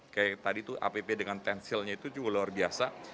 kayak tadi tuh app dengan pensilnya itu juga luar biasa